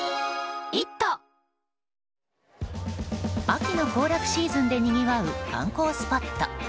秋の行楽シーズンでにぎわう観光スポット。